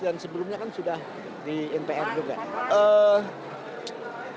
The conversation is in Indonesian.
dan sebelumnya kan sudah di mpr juga